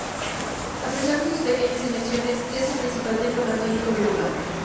A pesar de sus pequeñas dimensiones es el principal templo católico del lugar.